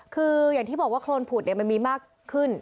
คืออย่างที่บอกว่าโครนผุดมันมีมากขึ้น